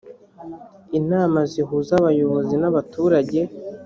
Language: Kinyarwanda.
inama zihuza abayobozi n’abaturage